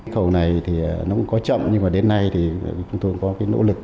cầu này thì nó cũng có chậm nhưng mà đến nay thì chúng tôi có cái nỗ lực